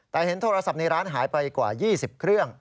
แต่เห็นโทรศัพท์ในร้านหายไปกว่า๒๐เครื่อง